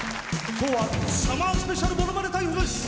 今日はサマースペシャルモノマネタイムです。